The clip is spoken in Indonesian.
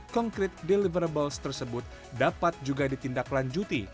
konkret deliverables tersebut dapat juga ditindaklanjuti